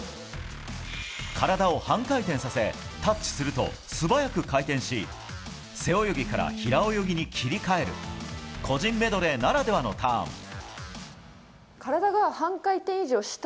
体を半回転させタッチすると素早く回転し背泳ぎから平泳ぎに切り替える個人メドレーならではのターン。